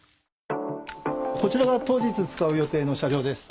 こちらが当日使う予定の車両です。